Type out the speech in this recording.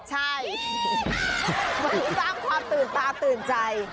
ใช่มันสร้างความตื่นตาตื่นใจ